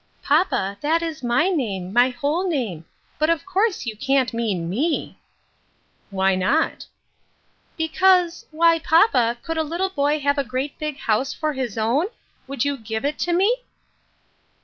" Papa, that is my name ; my whole name ; but of course you can't mean me !"" Why not ?"" Because — why, papa, could a little boy have a great big house for his own ? Would you give it to me